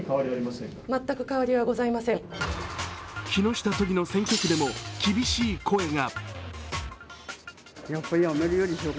木下都議の選挙区でも厳しい声が。